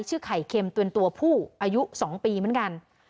ชื่อไข่เข็มเป็นตัวผู้อายุสองปีเหมือนกัน